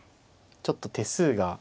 ちょっと手数が。